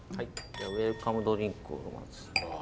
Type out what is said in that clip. ウェルカムドリンクを。